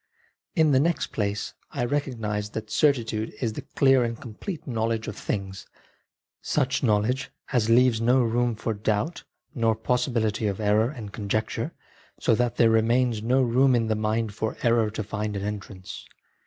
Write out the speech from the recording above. In the next place I recognised that certitude is the clear and complete knowledge of things, such knowledge as leaves no room for doubt nor possibility of error and conjecture, so that there remains no room in the mind for error to find an entrance.